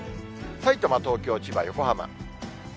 さいたま、東京、千葉、横浜。